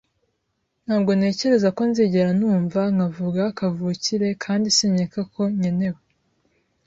Ntabwo ntekereza ko nzigera numva nkavuga kavukire kandi sinkeka ko nkeneye.